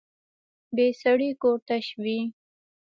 بې سړي کور تش وي